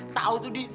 tahu tuh d